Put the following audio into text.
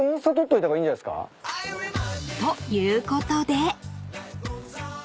［ということで］